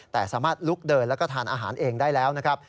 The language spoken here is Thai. แต่สามารถลุกเดินแล้วก็ทานอาหารเองได้แล้วนะครับ